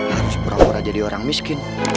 harus pura pura jadi orang miskin